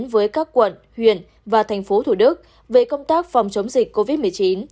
với các quận huyện và thành phố thủ đức về công tác phòng chống dịch covid một mươi chín